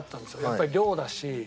やっぱり寮だし。